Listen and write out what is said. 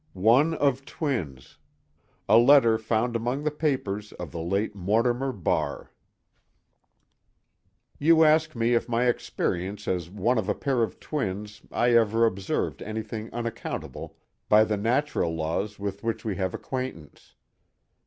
ONE OF TWINS A LETTER FOUND AMONG THE PAPERS OF THE LATE MORTIMER BARR YOU ask me if in my experience as one of a pair of twins I ever observed anything unaccountable by the natural laws with which we have acquaintance.